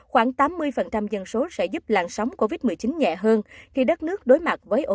khoảng tám mươi dân số sẽ giúp làn sóng covid một mươi chín nhẹ hơn khi đất nước đối mặt với ô nhiễm